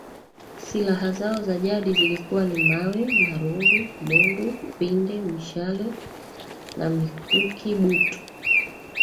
Silaha zao za jadi zilikuwa ni mawe marungu mundu pinde mishale na mikuki butu